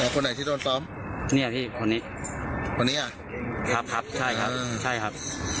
คนไหนที่โดนซ้อมเนี่ยพี่คนนี้คนนี้อ่ะครับใช่ครับใช่ครับ